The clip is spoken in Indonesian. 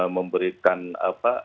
atau memberikan apa